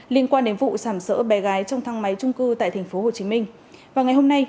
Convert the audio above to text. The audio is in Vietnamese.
liên quan đến vụ sảm sỡ bé gái trong thang máy trung cư tại tp hcm vào ngày hôm nay